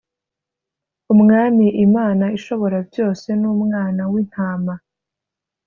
Umwami Imana Ishoborabyose n Umwana w Intama